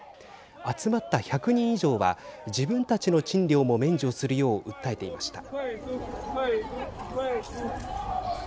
集まった１００人以上は自分たちの賃料も免除するよう訴えていました。